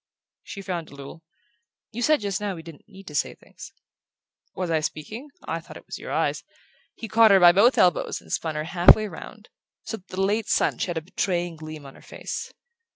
She frowned a little. "You said just now we didn't need to say things" "Was I speaking? I thought it was your eyes " He caught her by both elbows and spun her halfway round, so that the late sun shed a betraying gleam on her face.